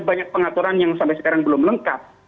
banyak pengaturan yang sampai sekarang belum lengkap